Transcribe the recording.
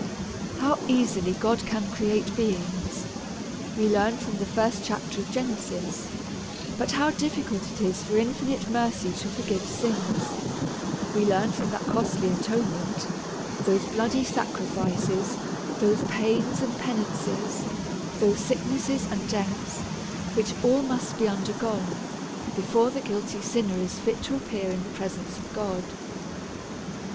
How easily God can create beings, we learn from the first chapter of Genesis ; but how difficult it is for infinite mercy to forgive sins, we learn from that costly atonement, those bloody sacrifices, those pains and penances, those sicknesses and deaths, which all must be undergone, before the guilty sinner is fit to appear in the presence of God.